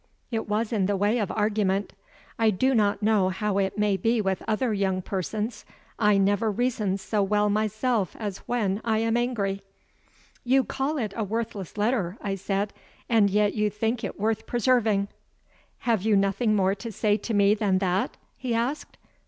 It was in the way of argument. I do not know how it may be with other young persons, I never reason so well myself as when I am angry. "You call it a worthless letter," I said, "and yet you think it worth preserving." "Have you nothing more to say to me than that?" he asked.